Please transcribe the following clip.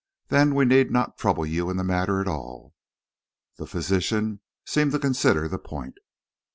Then we need not trouble you in the matter at all." The physician seemed to consider the point.